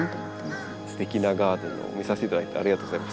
すてきなガーデンを見させていただいてありがとうございます。